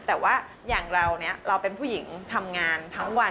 แต่ว่าอย่างเราเนี่ยเราเป็นผู้หญิงทำงานทั้งวัน